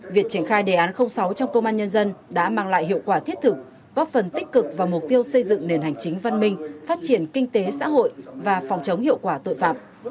việc triển khai đề án sáu trong công an nhân dân đã mang lại hiệu quả thiết thực góp phần tích cực vào mục tiêu xây dựng nền hành chính văn minh phát triển kinh tế xã hội và phòng chống hiệu quả tội phạm